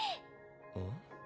うん？